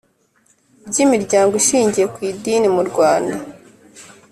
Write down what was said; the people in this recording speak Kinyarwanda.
By imiryango ishingiye ku idini mu rwanda